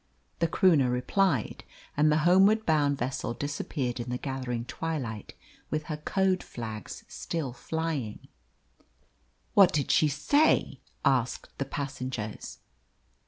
The Croonah replied, and the homeward bound vessel disappeared in the gathering twilight with her code flags still flying. "What did she say?" asked the passengers.